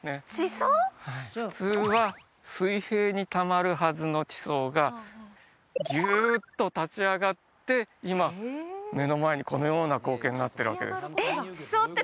はい普通は水平にたまるはずの地層がギューッと立ち上がって今目の前にこのような光景になってるわけですえっ？